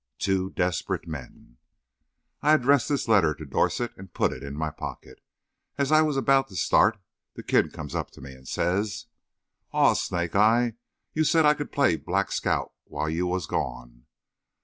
TWO DESPERATE MEN. I addressed this letter to Dorset, and put it in my pocket. As I was about to start, the kid comes up to me and says: "Aw, Snake eye, you said I could play the Black Scout while you was gone."